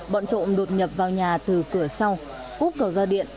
bọn trộm đột nhập vào nhà từ cửa sau cúp cầu ra điện